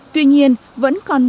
tuy nhiên vẫn còn nhiều